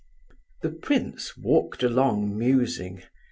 The prince walked along, musing.